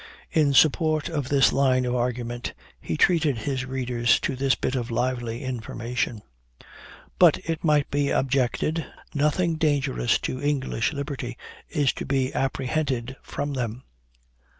In support of this line of argument, he treated his readers to this bit of lively information: "But it might be objected, 'nothing dangerous to English liberty is to be apprehended from them.'